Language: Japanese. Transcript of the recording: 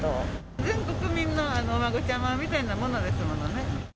全国民のお孫ちゃまみたいなものですものね。